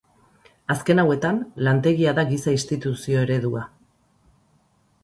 Azken hauetan lantegia da giza-instituzio eredua.